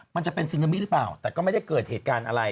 มันก็จะเป็นซึนามิปะแต่ก็ไม่ได้เกิดเหตุการณ์อะไร